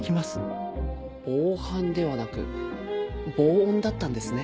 防犯ではなく防音だったんですね。